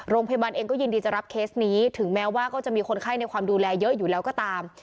โรงพยาบาลเองก็ยินดีจะรับเคสนี้ถึงแม้ว่าก็จะมีคนไข้ในความดูแลเยอะอยู่แล้วก็ตาม